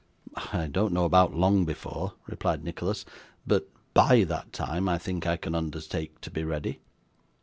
'I don't know about "long before,"' replied Nicholas; 'but BY that time I think I can undertake to be ready.